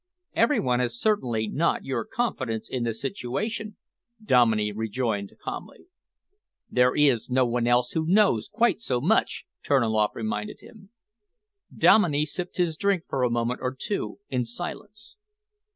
"Every one has certainly not your confidence in the situation," Dominey rejoined calmly. "There is no one else who knows quite so much," Terniloff reminded him. Dominey sipped his drink for a moment or two in silence.